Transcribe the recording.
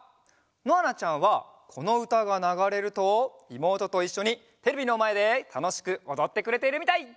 のあなちゃんはこのうたがながれるといもうとといっしょにテレビのまえでたのしくおどってくれているみたい！